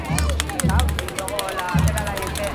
Lehendabiziko deklarazioan aitortu zuen krimena.